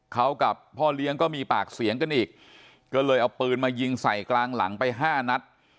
เขากับพ่อเลี้ยงก็มีปากเสียงกันอีกก็เลยเอาปืนมายิงใส่กลางหลังไปห้านัด